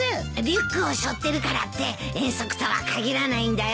リュックをしょってるからって遠足とは限らないんだよ。